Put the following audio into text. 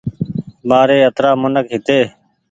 مآري اترآ منک هيتي